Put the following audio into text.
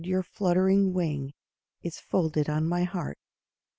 your fluttering wing Is folded on my heart.